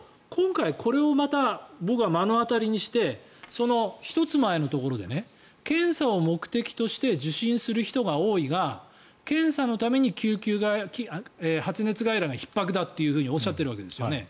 だけど、僕は今回これを目の当たりにしてその１つ前のところで検査を目的として受診する人が多いが検査のために発熱外来がひっ迫だとおっしゃっているわけですよね。